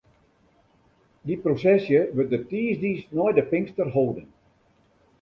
Dy prosesje wurdt de tiisdeis nei de Pinkster holden.